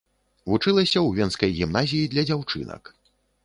Вучылася ў венскай гімназіі для дзяўчынак.